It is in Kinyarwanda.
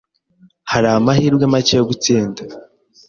Hari amahirwe make yo gutsinda.